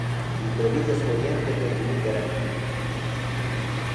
Ĝi troviĝas oriente de Liberec.